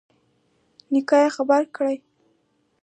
نيکي خپره کړه.